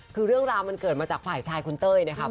คือเรื่องราวมันเกิดมาจากฝ่ายชายคุณเต้ยนะครับ